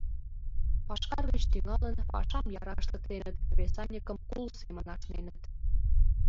Пашкар гыч тӱҥалын, пашам яра ыштыктеныт, кресаньыкым кул семын ашненыт.